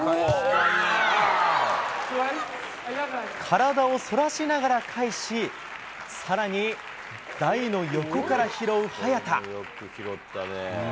体をそらしながら返し、さらに台の横から拾う早田。